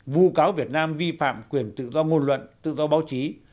vụ cáo việt nam vi phạm quyền tự do ngôn luận tự do báo chí